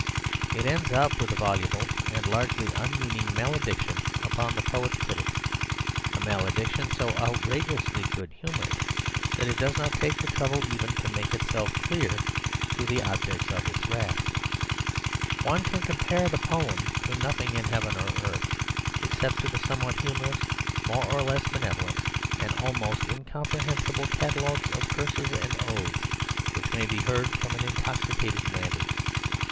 It ends up with a voluble and largely unmeaning malediction upon the poet's critics, a malediction so outrageously good humoured that it does not take the trouble even to make itself clear to the objects of its wrath. One can compare the poem to nothing in heaven or earth, except to the somewhat humorous, more or less benevolent, and most incomprehensible catalogues of curses and oaths which may be heard from an intoxicated navvy.